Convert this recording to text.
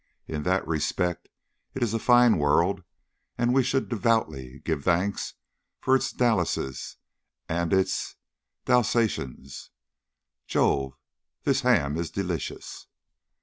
In that respect, it is a fine world and we should devoutly give thanks for its Dallases and its Dalsatians. Jove! This ham is delicious!"